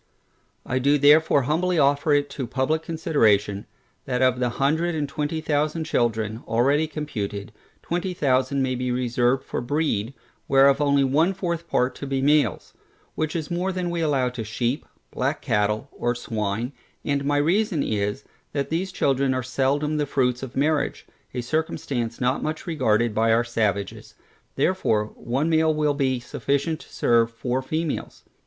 I do therefore humbly offer it to publick consideration, that of the hundred and twenty thousand children, already computed, twenty thousand may be reserved for breed, whereof only one fourth part to be males; which is more than we allow to sheep, black cattle, or swine, and my reason is, that these children are seldom the fruits of marriage, a circumstance not much regarded by our savages, therefore, one male will be sufficient to serve four females.